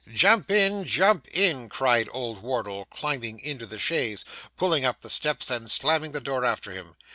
'Jump in jump in!' cried old Wardle, climbing into the chaise, pulling up the steps, and slamming the door after him.